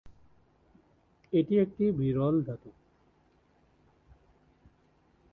এটি একটি বিরল ধাতু।